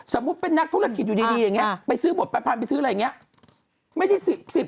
สมมุติเป็นนักธุรกิจอยู่ดีอย่างนี้ไปซื้อหมด๘๐๐ไปซื้ออะไรอย่างนี้